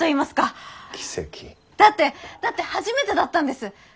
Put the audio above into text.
だってだって初めてだったんです。